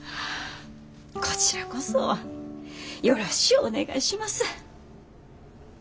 こちらこそよろしゅうお願いします。